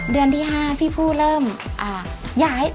เดือนที่๕พี่ผู้เริ่มย้าย